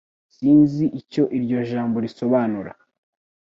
Sinzi icyo iryo jambo risobanura